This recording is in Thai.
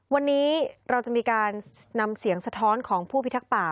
วันนี้เราจะมีการนำเสียงสะท้อนของผู้พิทักษ์ป่า